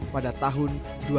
pada tahun dua ribu dua puluh